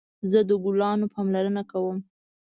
زه د ګلانو پاملرنه کوم